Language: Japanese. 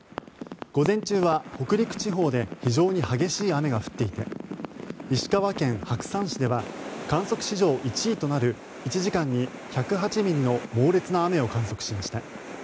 午前中は北陸地方で非常に激しい雨が降っていて石川県白山市では観測史上１位となる１時間に１０８ミリの猛烈な雨を観測しました。